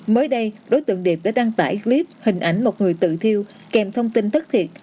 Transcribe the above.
mới đây đối tượng điệp đã đăng tải clip hình ảnh một người tự thiêu kèm thông tin thất thiệt